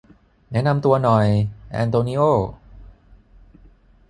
แนะนำตัวหน่อยแอนโตนิโอ